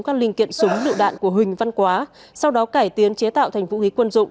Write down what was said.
các linh kiện súng lựu đạn của huỳnh văn quá sau đó cải tiến chế tạo thành vũ khí quân dụng